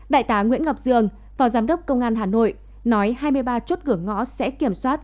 đại tá nguyễn ngọc dương phó giám đốc công an hà nội nói hai mươi ba chốt cửa ngõ sẽ kiểm soát